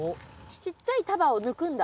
ちっちゃい束を抜くんだ。